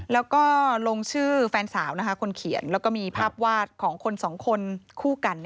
แล้วก็ลงชื่อแฟนสาวคนเขียนแล้วก็มีภาพวาดของคนสองคนคู่กัน